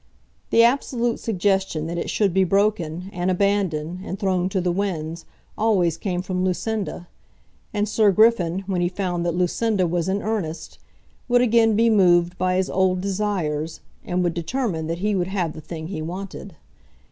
The absolute suggestion that it should be broken, and abandoned, and thrown to the winds, always came from Lucinda; and Sir Griffin, when he found that Lucinda was in earnest, would again be moved by his old desires, and would determine that he would have the thing he wanted.